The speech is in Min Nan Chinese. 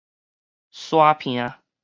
沙坪